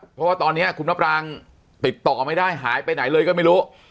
เพราะว่าตอนนี้คุณมะปรางติดต่อไม่ได้หายไปไหนเลยก็ไม่รู้